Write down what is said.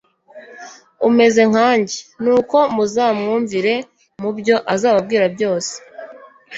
umeze nkanjye, nuko muzamwumvire mu byo azababwira byose.»